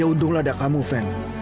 ya untunglah ada kamu fan